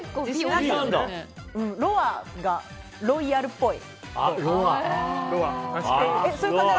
ロワがロイヤルっぽい。